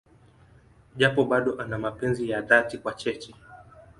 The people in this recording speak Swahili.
Japo bado ana mapenzi ya dhati kwa Cheche.